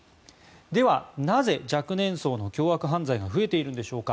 では、なぜ若年層の凶悪犯罪が増えているんでしょうか。